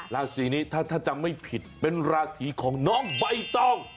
ราศีนี้ถ้าจำไม่ผิดเป็นราศีของน้องใบตอง